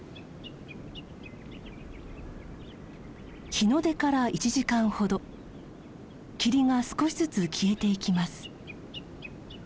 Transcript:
日の出から１時間ほど霧が少しずつ消えていきます。